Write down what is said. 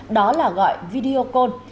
đó là gọi video call